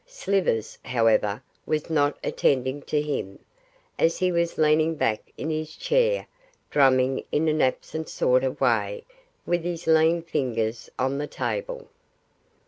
Slivers, however, was not attending to him, as he was leaning back in his chair drumming in an absent sort of way with his lean fingers on the table.